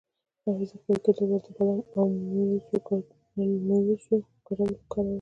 د حافظې د قوي کیدو لپاره د بادام او مویزو ګډول وکاروئ